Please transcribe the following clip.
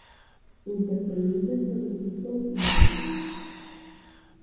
Un terceiro intento resultou inútil.